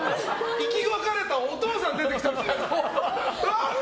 生き別れたお父さん出てきたぐらい。